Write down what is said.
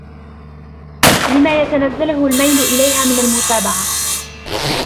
لِمَا يَسْتَنْزِلُهُ الْمَيْلُ إلَيْهَا مِنْ الْمُتَابَعَةِ